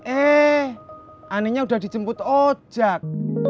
eh aninya udah dijemput ojak